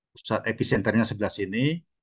pusat epicenternya sebelah sini